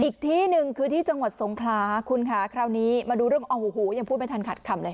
อีกที่หนึ่งคือที่จังหวัดสงขลาคุณค่ะคราวนี้มาดูเรื่องโอ้โหยังพูดไม่ทันขัดคำเลย